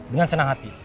dengan senang hati